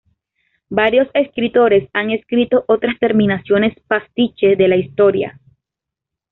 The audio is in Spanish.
Varios escritores han escrito otras terminaciones pastiche de la historia.